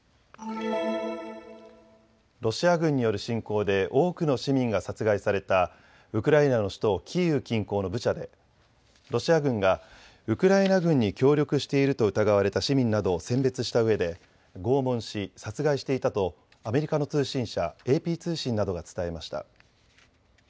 ロシア軍による侵攻で多くの市民が殺害されたウクライナの首都キーウ近郊のブチャでロシア軍がウクライナ軍に協力していると疑われた市民などを選別したうえで拷問し、殺害していたとアメリカの通信社、ＡＰ通信などが伝えました。